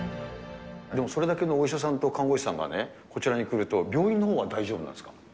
でもそれだけのお医者さんと看護師さんがこちらに来ると、病院のほうは大丈夫なんですか。